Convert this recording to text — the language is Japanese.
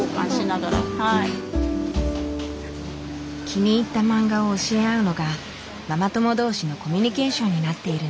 気に入ったマンガを教え合うのがママ友同士のコミュニケーションになっているんだそう。